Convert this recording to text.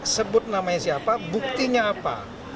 sebut namanya siapa buktinya apa